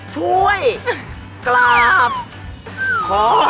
ช่วยกลับ